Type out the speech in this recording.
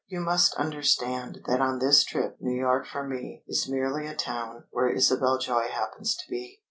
You must understand that on this trip New York for me is merely a town where Isabel Joy happens to be."